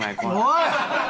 おい！